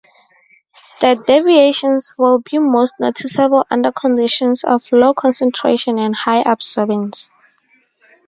The deviations will be most noticeable under conditions of low concentration and high absorbance.